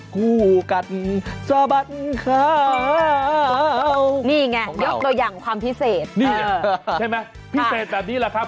คู่กัดสะบัดข่าวนี่ไงยกตัวอย่างความพิเศษนี่ใช่ไหมพิเศษแบบนี้แหละครับ